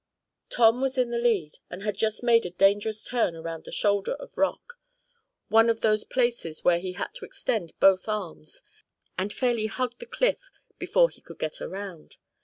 Tom was in the lead, and had just made a dangerous turn around a shoulder of rock one of those places where he had to extend both arms, and fairly hug the cliff before he could get around.